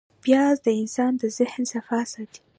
پیاز د انسان د ذهن صفا ساتي